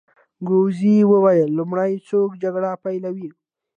ګاووزي وویل: لومړی څوک جګړه پېلوي؟